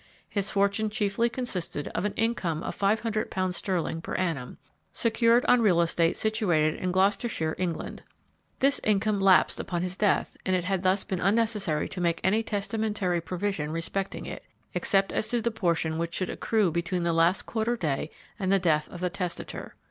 His fortune chiefly consisted of an income of five hundred pounds sterling per annum, secured on real estate situated in Gloucestershire, England. This income lapsed upon his death, and it had thus been unnecessary to make any testamentary provision respecting it, except as to the portion which should accrue between the last quarter day and the death of the testator.